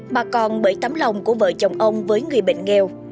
mà còn bởi tấm lòng của vợ chồng ông với người bệnh nghèo